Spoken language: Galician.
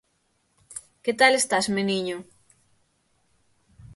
Que tal estas meniño?